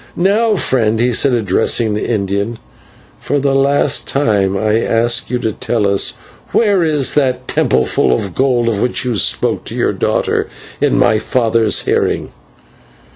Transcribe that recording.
Now, friend," he said, addressing the Indian, "for the last time I ask you to tell us where is that temple full of gold, of which you spoke to your daughter in my father's hearing?"